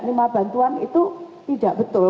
terima bantuan itu tidak betul